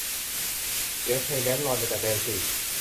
เสียงเพลงแดนซ์ลอยมาจากแดนสี่